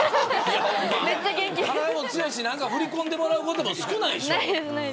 体も強いし振り込んでもらうことも少ないでしょ。